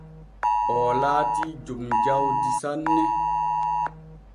Oo laatii jom jawdi sanne.